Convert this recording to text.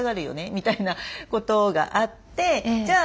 みたいなことがあってじゃあ